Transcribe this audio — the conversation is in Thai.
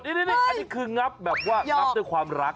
นี่อันนี้คืองับแบบว่างับด้วยความรัก